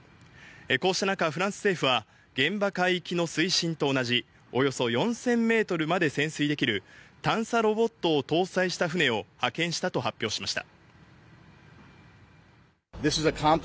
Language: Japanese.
こうした中、フランス政府は、現場海域の水深と同じおよそ４０００メートルまで潜水できる探査ロボットを搭載した船を派遣したと発表しました。